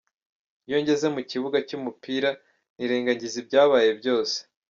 Iyo ngeze mu kibuga cy’umupira, nirengagiza ibyabaye byose.